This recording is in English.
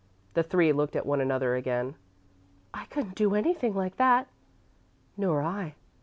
The three looked at one another again. "I couldn't do anything like that." "Nor I."